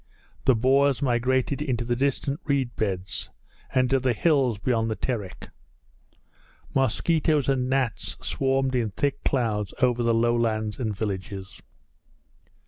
The boars migrated into the distant reed beds and to the hills beyond the Terek. Mosquitoes and gnats swarmed in thick clouds over the low lands and villages.